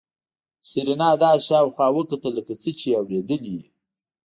سېرېنا داسې شاوخوا وکتل لکه څه چې يې اورېدلي وي.